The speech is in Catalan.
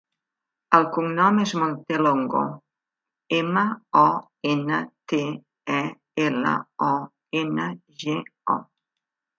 El cognom és Montelongo: ema, o, ena, te, e, ela, o, ena, ge, o.